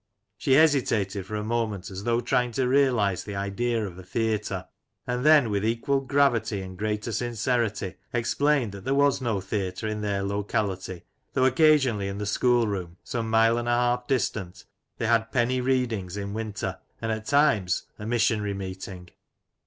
She hesitated for a moment as though trying to realize the idea of a theatre, and then with equal gravity and greater sincerity explained that there was no theatre in their locality, though occasionally in the school room, some mile and a half distant, they had Penny Readings in winter, and at times a missionary meeting.